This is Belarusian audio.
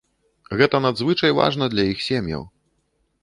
Гэта надзвычай важна для іх сем'яў.